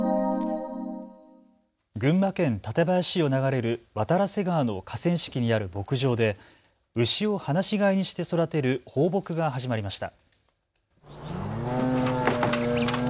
群馬県館林市を流れる渡良瀬川の河川敷にある牧場で牛を放し飼いにして育てる放牧が始まりました。